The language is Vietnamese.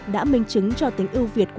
đã minh chứng cho tình ưu việt quốc gia